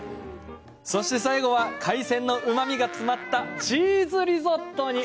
最後は海鮮のうまみが詰まったチーズリゾットに。